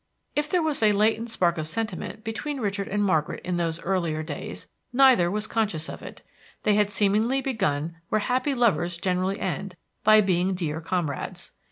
If there was a latent spark of sentiment between Richard and Margaret in those earlier days, neither was conscious of it; they had seemingly begun where happy lovers generally end, by being dear comrades.